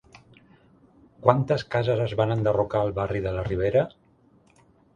Quantes cases es van enderrocar al barri de la Ribera?